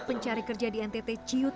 pencari kerja di ntt ciut